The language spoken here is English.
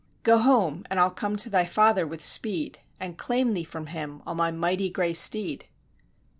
"Go home, and I'll come to thy father with speed, And claim thee from him, on my mighty grey steed."